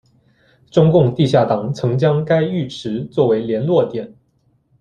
中共地下党曾将该浴池作为联络点。